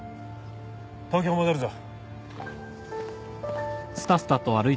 東京戻るぞ。